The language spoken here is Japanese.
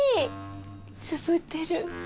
つぶってる。